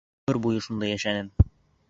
Ғүмер буйы шунда йәшәнем.